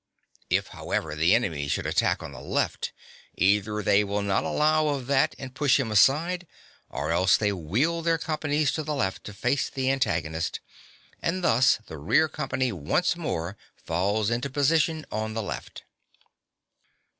If, however, the enemy should attack on the left, either they will not allow of that and push him aside, (23) or else they wheel their companies to the left to face the antagonist, and thus the rear company once more falls into position on the left.